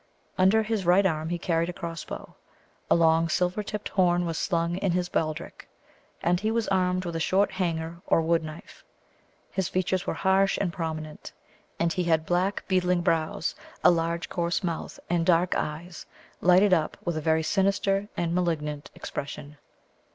Under his right arm he carried a crossbow; a long silver tipped horn was slung in his baldric; and he was armed with a short hanger, or wood knife. His features were harsh and prominent; and he had black beetling brows, a large coarse mouth, and dark eyes, lighted up with a very sinister and malignant expression.